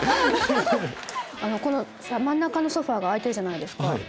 この真ん中のソファが開いてるじゃないですか。